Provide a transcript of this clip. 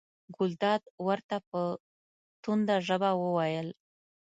ګلداد ورته په تنده ژبه وویل.